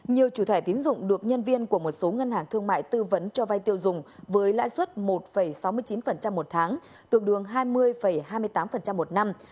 nhiều chủ thẻ tiến dụng được nhân viên của một số ngân hàng thương mại tư vấn cho vai tiêu dùng với lãi suất một sáu mươi chín một tháng tương đương hai mươi hai mươi tám một năm